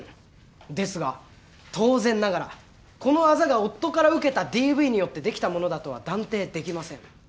ですが当然ながらこのあざが夫から受けたＤＶによってできたものだとは断定できません。